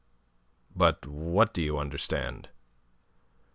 "But what do you understand?"